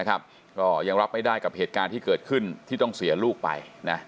ก็ยังรับไม่ได้กับเหตุการณ์ที่เกิดขึ้นที่ต้องเสียลูกไป